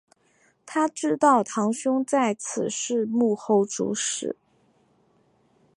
她知道堂兄在此事幕后主使。